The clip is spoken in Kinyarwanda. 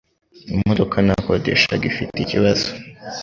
Imodoka nakodeshaga ifite ikibazo.